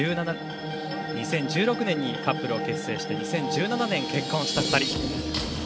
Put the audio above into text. ２０１６年にカップルを結成して２０１７年に結婚した２人。